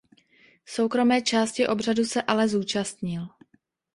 Soukromé části obřadu se ale zúčastnil.